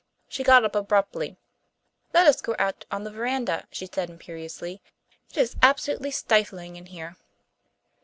She got up abruptly. "Let us go out on the verandah," she said imperiously. "It is absolutely stifling in here."